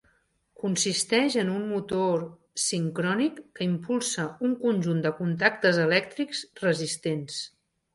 Consisteix en un motor sincrònic que impulsa un conjunt de contactes elèctrics resistents.